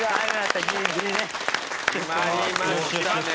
決まりましたね。